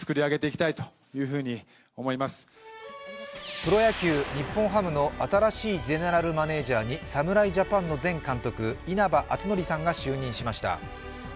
プロ野球日本ハムの新しいゼネラルマネージャーに侍ジャパンの前監督、稲葉篤紀さんが就任しました。